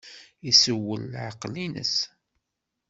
Isewwel leɛqel-nnes.